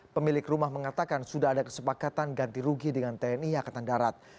pemilik rumah mengatakan sudah ada kesepakatan ganti rugi dengan tni angkatan darat